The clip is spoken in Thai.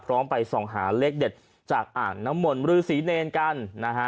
ไปส่องหาเลขเด็ดจากอ่างน้ำมนต์รือศรีเนรกันนะฮะ